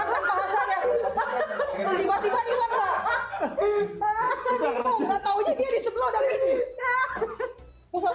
akwin baca dia di sebelah udara ini